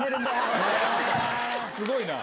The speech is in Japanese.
すごいな！